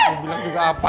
kamu bilang juga apa